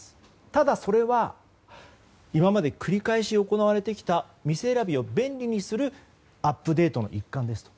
ただそれは今まで繰り返し行われてきた店選びを便利にするアップデートの一環ですと。